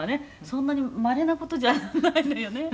そんなにまれな事じゃないのよね」